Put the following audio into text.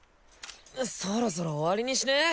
そろそろ終わりにしねえ？